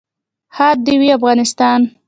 ښاد دې وي افغانستان.